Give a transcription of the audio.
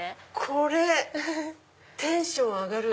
これテンション上がる！